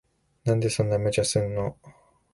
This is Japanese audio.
なんでそんな無茶すんの。